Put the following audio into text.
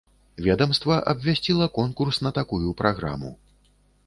Ведамства абвясціла конкурс на такую праграму.